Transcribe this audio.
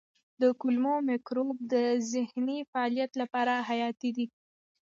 د کولمو مایکروبیوم د ذهني فعالیت لپاره حیاتي دی.